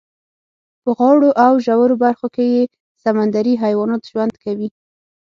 په غاړو او ژورو برخو کې یې سمندري حیوانات ژوند کوي.